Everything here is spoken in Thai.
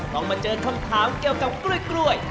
ต้องมาเจอคำถามเกี่ยวกับกล้วย